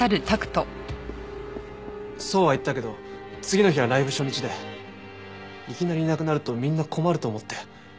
そうは言ったけど次の日はライブ初日でいきなりいなくなるとみんな困ると思って。